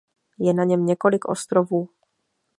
Je na něm několik ostrovů.